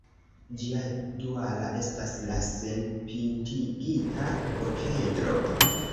Ĝia duala estas la senpintigita okedro.